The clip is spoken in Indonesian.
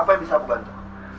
apa yang bisa aku bantu